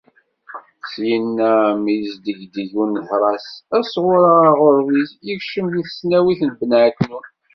Syinna, mi yesdegdeg unehras asɣur-a aɣurbiz, yekcem deg tesnawit n Ben ɛeknun.